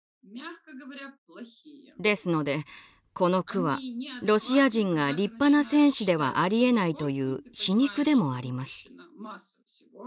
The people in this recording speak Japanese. ですのでこの句はロシア人が立派な戦士ではありえないという皮肉でもあります。